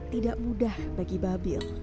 tidak mudah bagi babil